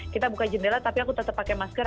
kita buka jendela tapi aku tetap pakai masker